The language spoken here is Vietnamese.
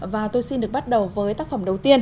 và tôi xin được bắt đầu với tác phẩm đầu tiên